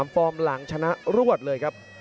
ฟอร์มหลังชนะรวดเลยครับ